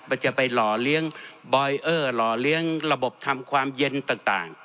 จะไปหล่อเลี้ยงบอยเออร์หล่อเลี้ยงระบบทำความเย็นต่าง